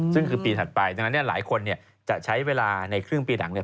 ซึ่งคือปีถัดไปดังนั้นเนี่ยหลายคนเนี่ยจะใช้เวลาในครึ่งปีหนังเนี่ย